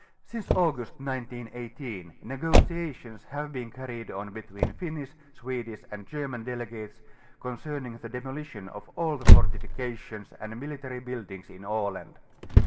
Since August J 918 negotiations have been carried on between Finnish. Swedish and Gerinan delegates concerning the demolition of all the fortifications and military buildings in Aland.